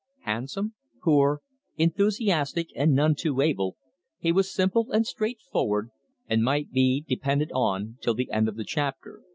Handsome, poor, enthusiastic, and none too able, he was simple and straightforward, and might be depended on till the end of the chapter.